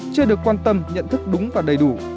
chưa được quan tâm nhận thức đúng và đầy đủ